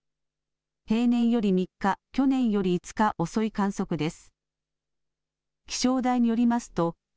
平年より３日、去年より５日遅い観測です。